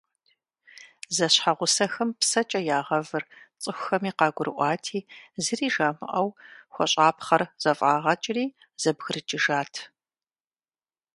Зэщхьэгъусэхэм псэкӀэ ягъэвыр цӀыхухэми къагурыӀуати, зыри жамыӀэу хуэщӀапхъэр зэфӀагъэкӀри, зэбгрыкӀыжат.